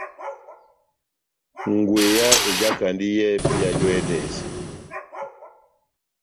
Ngweya ejakandi yɛhɛpi yajú e yɛnɛsɛ.